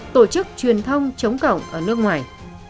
tổ chức truyền thông chống cộng ở nước ngoài